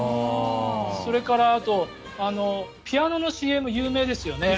それから、ピアノのＣＭも有名ですよね。